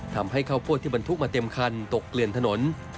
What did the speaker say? ข้าวโพดที่บรรทุกมาเต็มคันตกเกลื่อนถนน